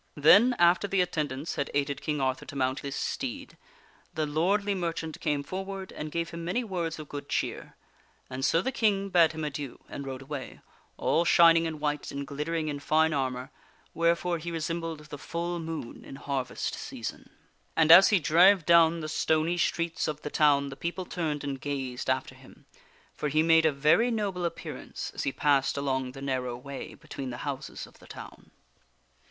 Then after the attendants had aided King Arthur to mount this steed, KING ARTHUR RIDES TO BATTLE 95 the lordly merchant came forward and gave him many words of good cheer, and so the king bade him adieu and rode away, all shining in white and glittering in fine armor, wherefore he resembled the full moon in harvest season. And as he drave down the stony streets of the town, the people turned and gazed after him, for he made a very noble appearance as he passed along the narrow way between the houses of the town.